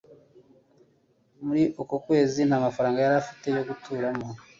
Muri uko kwezi, nta mafaranga yari afite yo guturamo.